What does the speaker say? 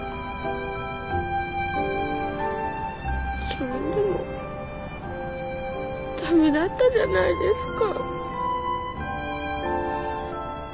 それでもダメだったじゃないですか。